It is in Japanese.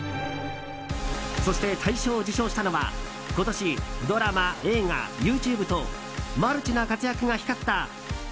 そして大賞を受賞したのは今年、ドラマ、映画ＹｏｕＴｕｂｅとマルチな活躍が光ったＨｅｙ！